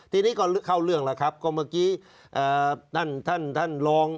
ทีนี้ก็เข้าเรื่องแล้วครับก็เมื่อกี้ท่านท่านรอง